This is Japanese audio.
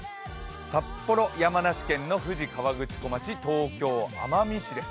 札幌、山梨県富士河口湖町、東京、奄美市です。